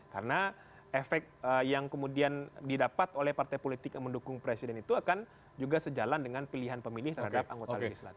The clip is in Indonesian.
karena efek yang kemudian didapat oleh partai politik yang mendukung presiden itu akan juga sejalan dengan pilihan pemilih terhadap anggota lili selatan